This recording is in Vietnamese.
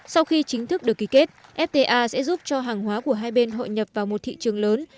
sau khi chính thức được ký kết fta sẽ giúp cho hàng hóa của hai bên hội nhập vào một thị trường lớn